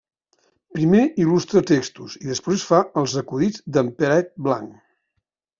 Primer il·lustra textos i després fa els acudits d'en Peret Blanc.